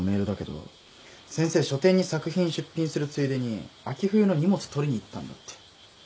先生書展に作品出品するついでに秋冬の荷物取りに行ったんだって。